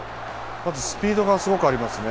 まずスピードがありますね。